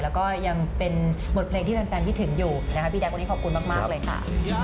แล้วก็ยังเป็นบทเพลงที่แฟนคิดถึงอยู่นะคะพี่แจ๊วันนี้ขอบคุณมากเลยค่ะ